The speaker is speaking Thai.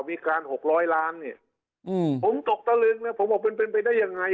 มีการหกร้อยล้านเนี่ยผมตกตะลึงนะผมบอกมันเป็นไปได้ยังไง